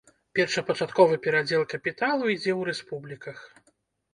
Першапачатковы перадзел капіталу ідзе ў рэспубліках.